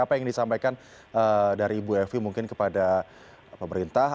apa yang ingin disampaikan dari ibu evi mungkin kepada pemerintah